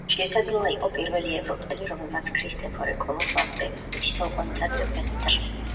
შესაძლოა იყო პირველი ევროპელი, რომელმაც ქრისტეფორე კოლუმბამდე ხუთი საუკუნით ადრე ფეხი დადგა ჩრდილოეთ ამერიკაში.